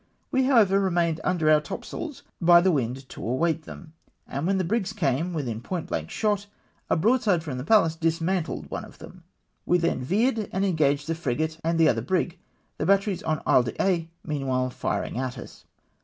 We however remained under our topsails by the wind to await them, and when, the brigs came within pomt blank shot, a broadside from the Pallas dismantled one of them. We 198 ENGAGE THE PREIVCH SQUADEON. then veered and eno:aai:ed the frio ate and the other brig; — the batteries on Isle d'Aix meanwhile firino; at us.